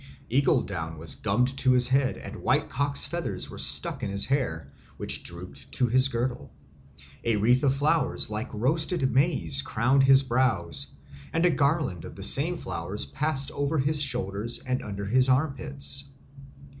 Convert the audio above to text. Eagle down was gummed to his head and white cock's feathers were stuck in his hair, which drooped to his girdle. A wreath of flowers like roasted maize crowned his brows, and a garland of the same flowers passed over his shoulders and under his armpits.